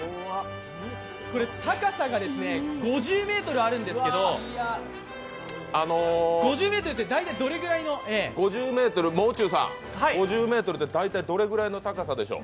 これ高さが５０ｍあるんですけど、５０ｍって大体どれぐらいのもう中さん、５０ｍって大体どれぐらいの高さでしょう？